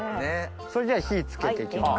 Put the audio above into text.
それじゃあ火付けて行きます。